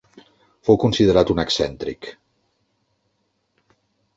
Fou considerat un excèntric.